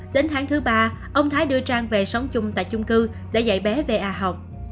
đến tháng thứ ba ông thái đưa trang về sống chung tại chung cư để dạy bé về a học